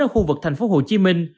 ở khu vực thành phố hồ chí minh